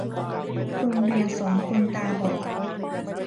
โรงเรียนสอนคนตาบอด